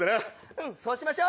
うんそうしましょ。